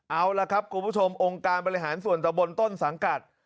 เอาล่ะครับคุณผู้ชมองค์การบริหารส่วนตะบนต้นสังกัด